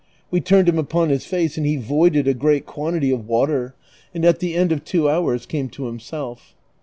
We turned him upon his face and he voided a great quantity of water, and at the end of two hours came to himself.